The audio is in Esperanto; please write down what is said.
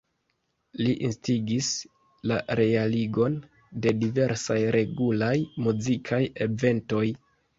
Li instigis la realigon de diversaj regulaj muzikaj eventoj.